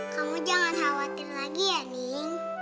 kamu jangan khawatir lagi ya ning